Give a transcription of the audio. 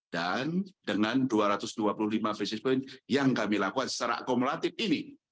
dan dengan dua ratus dua puluh lima basis point yang kami lakukan secara akumulatif ini